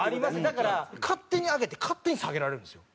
だから勝手に上げて勝手に下げられるんですよ。